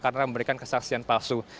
karena memberikan kesaksian palsu